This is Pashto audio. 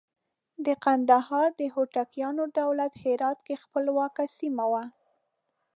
د کندهار د هوتکیانو دولت هرات کې خپلواکه سیمه وه.